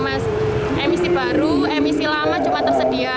mas emisi baru emisi lama cuma tersedia